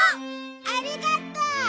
ありがとう！